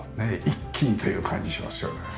一気にという感じしますよね。